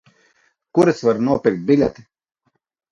Kur es varu nopirkt biļeti?